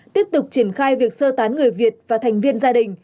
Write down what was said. tiếp tục triển khai việc sơ tán người việt và thành viên gia đình